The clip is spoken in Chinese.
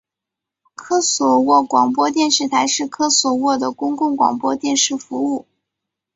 科索沃广播电视台是科索沃的公共广播电视服务。